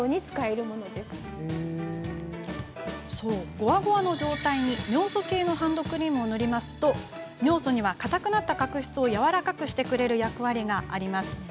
ごわごわの状態に尿素系のハンドクリームを塗ると尿素には、かたくなった角質をやわらかくしてくれる役割があります。